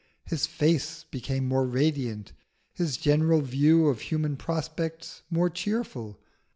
His face became more radiant, his general view of human prospects more cheerful.